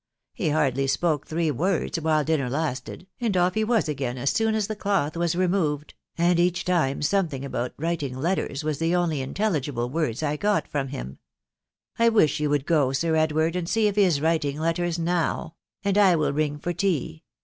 .... He hardly spoke three words while dinner lasted, and off he was again as soon as the ekth was. removed, and each time something about writing lettera was the only intelligible words I got from him. I wish yen would go, Sir Edward, and see if he is writing lettera now,. .... and I will ring for tea.